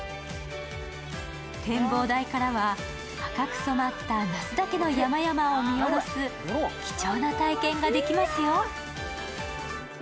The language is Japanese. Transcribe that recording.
展望台からは赤く染まった那須岳の山々を見下ろす貴重な体験ができますよ。